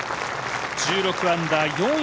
１６アンダー４位